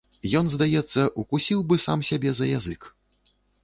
Ён, здаецца, укусіў бы сам сябе за язык.